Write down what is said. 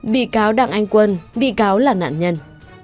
bị cáo đặng anh quân bị cáo là nạn nhân